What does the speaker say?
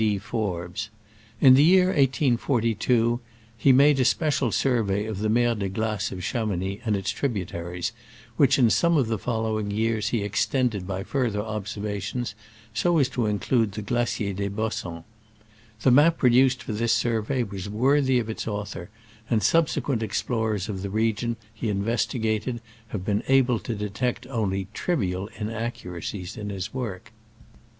D. Forbes. In the year 1842 he "made a special survey of the Mer de Glace of Chamounix and its tributaries, which in some of the follow ing years he extended by furthei ob servations, so as to include the Glacier des Bossons." The map produced fror this survey was worthy of its author, and subsequent explorers of the region he investigated have been able to detect only trivial inaccuracies in his work.